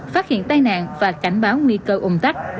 phát hiện tai nạn và cảnh báo nguy cơ ủng tắc